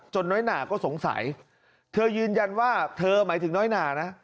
น้อยหนาก็สงสัยเธอยืนยันว่าเธอหมายถึงน้อยหนานะ